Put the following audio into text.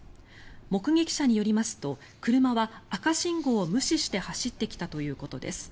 目撃者によりますと車は赤信号を無視して走ってきたということです。